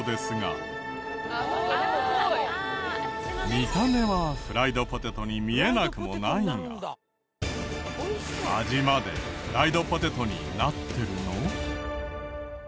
見た目はフライドポテトに見えなくもないが味までフライドポテトになってるの？